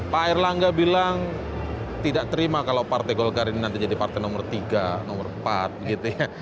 pak erlangga bilang tidak terima kalau partai golkar ini nanti jadi partai nomor tiga nomor empat begitu ya